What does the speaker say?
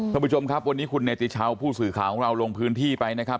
ท่านผู้ชมครับวันนี้คุณเนติชาวผู้สื่อข่าวของเราลงพื้นที่ไปนะครับ